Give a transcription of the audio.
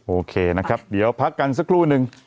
โอเคนะครับเดี๋ยวพักกันสักครู่นึง